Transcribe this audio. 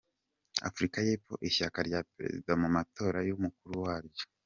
Afurika y’Epfo ishyaka rya Perezida mu matora y’umukuru waryo